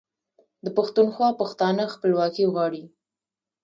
د پښتونخوا پښتانه خپلواکي غواړي.